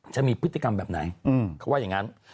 จะมีพฤติกรรมแบบไหนเขาว่าอย่างนั้น